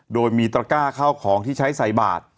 โดยมีตระก้าเข้าของที่ใช้ใส่บาท